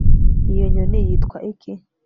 Iyo nyoni yitwa iki